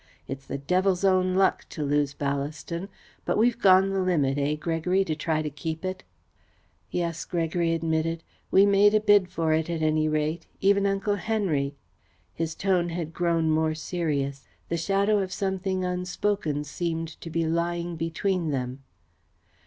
It's the devil's own luck to lose Ballaston, but we've gone the limit, eh, Gregory, to try to keep it?" "Yes," Gregory admitted. "We made a bid for it, at any rate even Uncle Henry!" His tone had grown more serious. The shadow of something unspoken seemed to be lying between them.